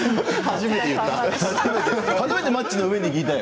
初めて言った。